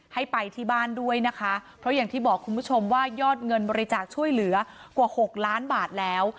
ให้ไปที่บ้านด้วยนะคะเพราะอย่างที่บอกคุณผู้ชมว่ายอดเงินบริจาคช่วยเหลือกว่าหกล้านบาทแล้ว